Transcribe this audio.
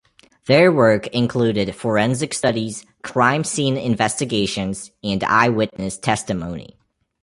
Their work included forensic studies, crime scene investigations, and eyewitness testimony.